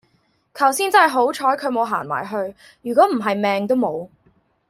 求先真喺好彩冇行埋去如果唔喺命都冇